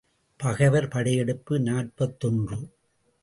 பகைவர் படையெடுப்பு நாற்பத்தொன்று.